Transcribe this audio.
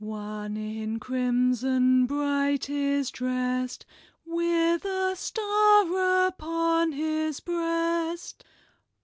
One in crim son bright is drest, With a star up on his breast.